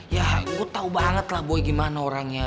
ya gua tau banget lah boy gimana orangnya